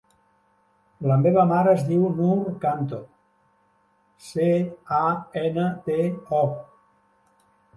La meva mare es diu Noor Canto: ce, a, ena, te, o.